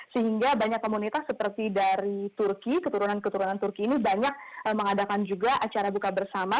sehingga banyak komunitas seperti dari turki keturunan keturunan turki ini banyak mengadakan juga acara buka bersama